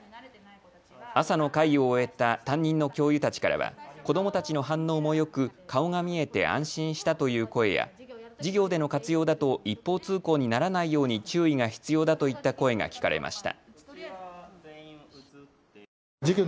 朝の会を終えた担任の教諭たちからは子どもたちの反応もよく顔が見えて安心したという声や授業での活用だと一方通行にならないように注意が必要だといった声が聞かれました。